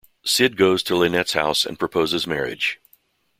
Sid goes to Lynette's house and proposes marriage.